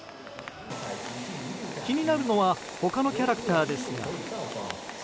気になるのは他のキャラクターですが。